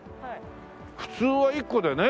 普通は１個だよね。